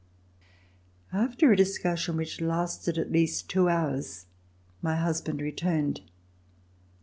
After a discussion which lasted at least two hours, my husband returned.